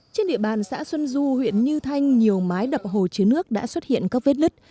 trên địa bàn xã xuân du huyện như thanh nhiều mái đập hồ chứa nước đã xuất hiện các vết lứt